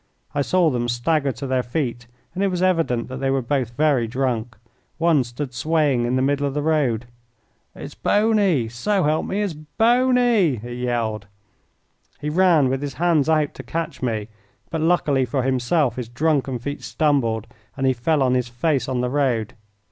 I saw them stagger to their feet, and it was evident that they were both very drunk. One stood swaying in the middle of the road. "It's Boney! So help me, it's Boney!" he yelled. He ran with his hands out to catch me, but luckily for himself his drunken feet stumbled and he fell on his face on the road.